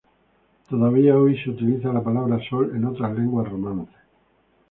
Todavía hoy se utiliza la palabra sol en otras lenguas romances.